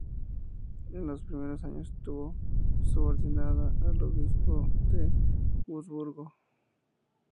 En los primeros años estuvo subordinada al obispado de Wurzburgo.